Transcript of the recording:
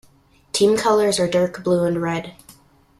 Team colours are dark blue and red.